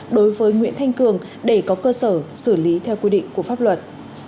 đối với nguyễn thanh cường để có cơ sở xử lý theo quy định của pháp luật